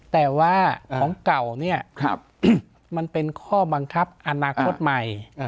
แต่ว่าของเก่าเนี่ยมันเป็นข้อบังคับอนาคตใหม่